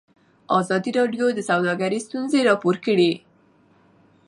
ازادي راډیو د سوداګري ستونزې راپور کړي.